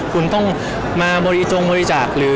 คุณต้องมาตรงบริจาค